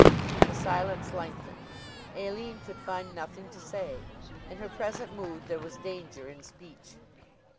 The silence lengthened. Aline could find nothing to say. In her present mood there was danger in speech.